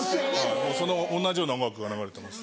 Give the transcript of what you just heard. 同じような音楽が流れてます。